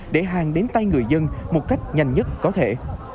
để hàng đến tay người dân một cách nhanh nhất có thể